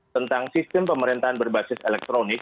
tentang sistem pemerintahan berbasis elektronik